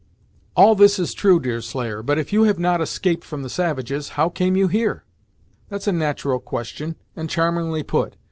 "All this is true, Deerslayer, but if you have not escaped from the savages, how came you here?" "That's a nat'ral question, and charmingly put.